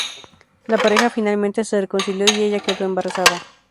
La pareja finalmente se reconcilió y ella quedó embarazada.